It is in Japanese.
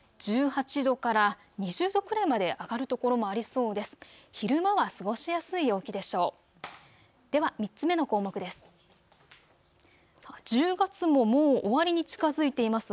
１８度から２０度くらいまで上がる所もありそうです。